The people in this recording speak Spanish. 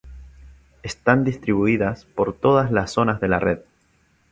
Están distribuidas por todas las zonas de la red.